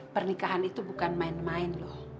pernikahan itu bukan main main loh